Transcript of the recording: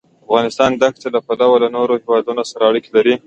افغانستان د ښتې له پلوه له نورو هېوادونو سره اړیکې لري.